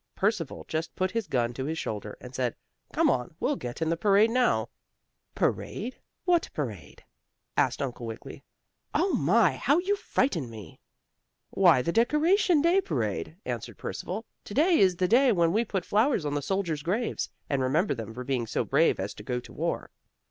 Percival just put his gun to his shoulder, and said: "Come on, we'll get in the parade now." "Parade? What parade?" asked Uncle Wiggily. "Oh my! how you frightened me!" "Why the Decoration Day parade," answered Percival. "To day is the day when we put flowers on the soldiers' graves, and remember them for being so brave as to go to war.